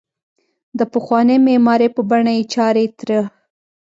د پخوانۍ معمارۍ په بڼه یې چارې تر